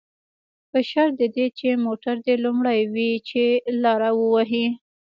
په شرط د دې چې موټر دې لومړی وي، چې لاره ووهي.